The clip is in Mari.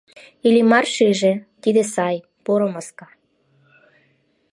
Иллимар шиже: тиде сай, поро маска.